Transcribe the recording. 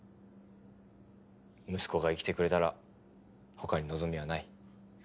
息子が生きてくれたら他に望みはない。